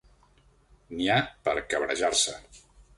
N'hi ha per cabrejar-se.